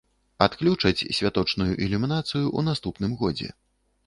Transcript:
Адключаць святочную ілюмінацыю ў наступным годзе.